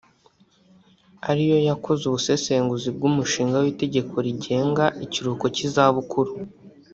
ari yo yakoze ubusesenguzi bw’umushinga w’itegeko rigenga ikiruhuko cy’izabukuru